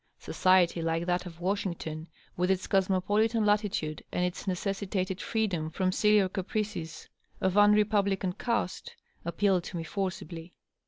Society like that of Washington, with its cosmopolitan latitude and its necessitated freedom from sillier caprices of unrepublican caste, appealed to me forcibly.